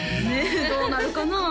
どうなるかな？